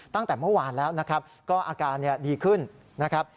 ตั้งแต่เมื่อวานแล้วนะครับก็อาการดีขึ้นนะครับ